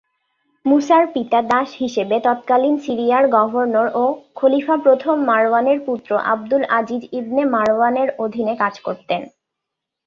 মুসার পিতা দাস হিসেবে তৎকালীন সিরিয়ার গভর্নর ও খলিফা প্রথম মারওয়ানের পুত্র আবদুল আজিজ ইবনে মারওয়ানের অধীনে কাজ করতেন।